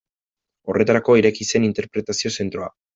Horretarako ireki zen interpretazio zentroa.